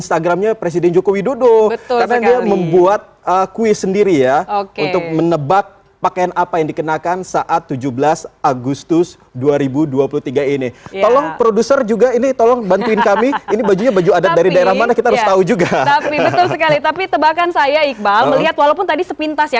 tapi tebakan saya iqbal melihat walaupun tadi sepintas ya